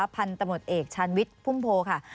พันธุ์ตำรวจเอกชาญวิทย์พุ่มโพค่ะ